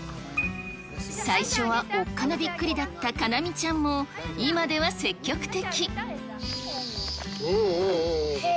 最初はおっかなびっくりだったかなみちゃんも、今では積極的。